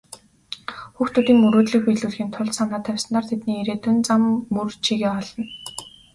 Хүүхдүүдийн мөрөөдлийг биелүүлэхийн тулд санаа тавьснаар тэдний ирээдүйн зам мөр чигээ олно.